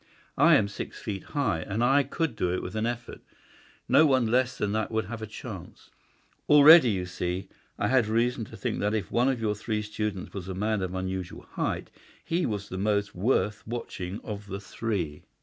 I am six feet high, and I could do it with an effort. No one less than that would have a chance. Already you see I had reason to think that if one of your three students was a man of unusual height he was the most worth watching of the three.